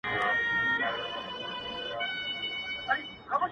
دا له تا سره پیوند یم چي له ځانه بېګانه یم-